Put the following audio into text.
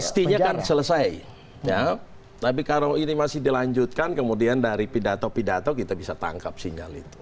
mestinya kan selesai tapi kalau ini masih dilanjutkan kemudian dari pidato pidato kita bisa tangkap sinyal itu